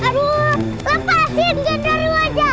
aduh lepasin gendarua jan